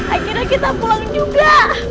akhirnya kita pulang juga